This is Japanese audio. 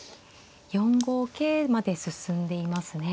五桂まで進んでいますね。